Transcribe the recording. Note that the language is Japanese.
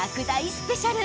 スペシャル。